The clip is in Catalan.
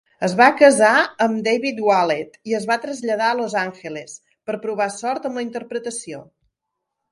Es va casar amb David Wallett, i es va traslladar a Los Àngeles per provar sort amb la interpretació.